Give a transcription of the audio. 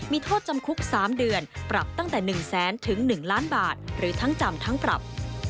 มีโทษจำคุก๓เดือนปรับตั้งแต่๑แสนถึง๑ล้านบาทหรือทั้งจำทั้งปรับ